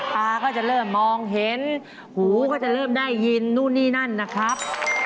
ตาก็จะเริ่มมองเห็นหูก็จะเริ่มได้ยินนู่นนี่นั่นนะครับ